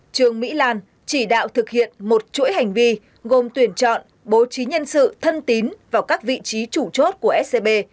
trương mỹ lan chỉ đạo thực hiện một chuỗi hành vi gồm tuyển chọn bố trí nhân sự thân tín vào các vị trí chủ chốt của scb